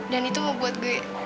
dan itu mau buat gue